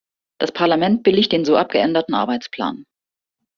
Das Parlament billigt den so abgeänderten Arbeitsplan.